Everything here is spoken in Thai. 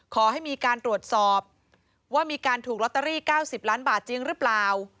ขอให้มีการตรวจสอบว่ามีการถูกลอตเตอรี่๙๐ล้านบาทจริงหรือเปล่า